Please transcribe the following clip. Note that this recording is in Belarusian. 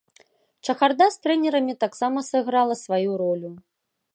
Чахарда з трэнерамі таксама сыграла сваю ролю.